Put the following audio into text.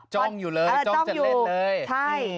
จ้องอยู่เลยจ้องจะเล่นเลยใช่